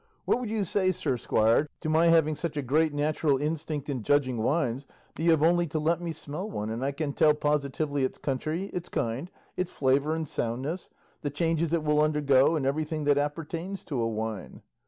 What would you say, sir squire, to my having such a great natural instinct in judging wines that you have only to let me smell one and I can tell positively its country, its kind, its flavour and soundness, the changes it will undergo, and everything that appertains to a wine?